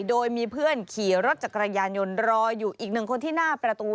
โดยมีเพื่อนขี่รถจักรยานยนต์รออยู่อีกหนึ่งคนที่หน้าประตู